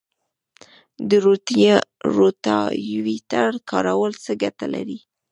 د روټاویټر کارول څه ګټه لري؟